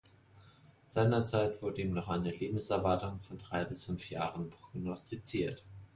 Seinerzeit wurde ihm noch eine Lebenserwartung von drei bis fünf Jahren prognostiziert.